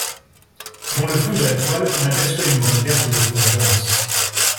Dans le fond de la toile on aperçoit une bande verte de forêt dense.